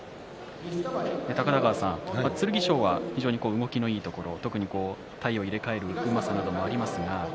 高田川さん、剣翔は動きのいいところ体を入れ替えるうまさなどもあります。